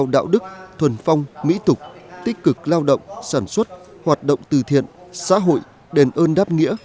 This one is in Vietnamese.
đạo đức thuần phong mỹ tục tích cực lao động sản xuất hoạt động từ thiện xã hội đền ơn đáp nghĩa